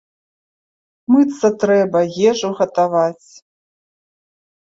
Мыцца трэба, ежу гатаваць.